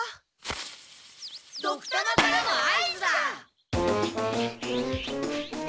ドクたまからの合図だ！